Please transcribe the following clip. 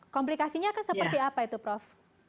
komplikasinya akan seperti apa itu prof